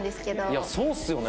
いやそうっすよね。